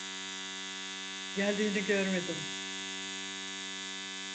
Geldiğini görmedim.